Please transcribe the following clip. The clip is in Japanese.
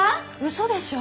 嘘でしょ？